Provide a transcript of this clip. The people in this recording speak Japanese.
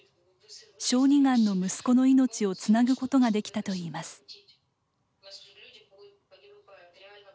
小児がんの息子の命をつなぐことができたといいます。